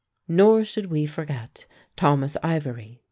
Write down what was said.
Nor should we forget Thomas Ivory (d.